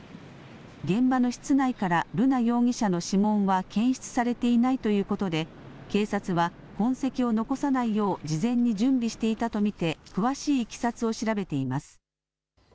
現場の室内から瑠奈容疑者の指紋は検出されていないということで警察は痕跡を残さないよう事前に準備していたと見て詳しいいきさつを調べています。